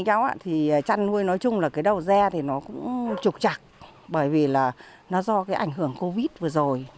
cháu thì chăn nuôi nói chung là cái đầu da thì nó cũng trục chặt bởi vì là nó do cái ảnh hưởng covid vừa rồi